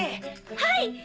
はい！